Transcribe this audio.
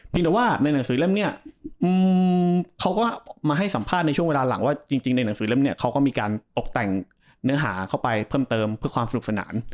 แต่ว่าในหนังสือเล่มเนี่ยเขาก็มาให้สัมภาษณ์ในช่วงเวลาหลังว่าจริงในหนังสือเล่มเนี่ยเขาก็มีการตกแต่งเนื้อหาเข้าไปเพิ่มเติมเพื่อความสนุกสนาน